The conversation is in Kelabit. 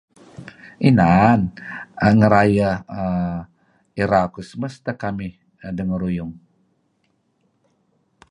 Inan, 'an ngerayeh irau Christmas teh kamih dengeruyung.